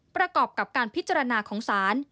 ประกอบกับการพิจารณาของศาล